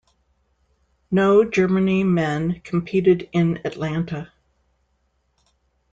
No Germany men competed in Atlanta.